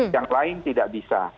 yang lain tidak bisa